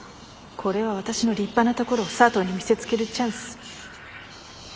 これは私の立派なところを佐藤に見せつけるチャンス。